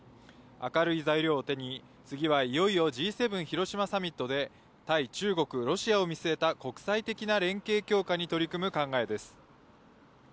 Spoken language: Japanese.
明るい材料を手に、次はいよいよＧ７広島サミットで、対中国、ロシアを見据えた国際的な連携強化に取り組む考えです。